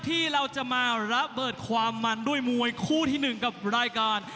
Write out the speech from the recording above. ที่เราจะมาระเบิดความมันด้วยมวยคู่ที่๑กับรายการ